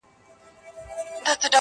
اول ئې تله، بيا ئې وايه.